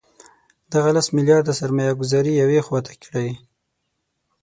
دغه لس میلیارده سرمایه ګوزاري یوې خوا ته کړئ.